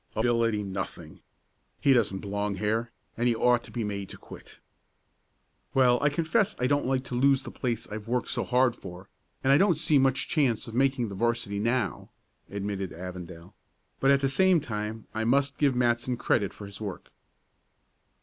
"Ability nothing! He doesn't belong here, and he ought to be made to quit." "Well, I confess I don't like to lose the place I worked so hard for, and I don't see much chance of making the 'varsity now," admitted Avondale; "but at the same time I must give Matson credit for his work."